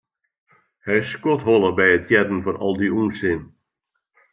Hy skodholle by it hearren fan al dy ûnsin.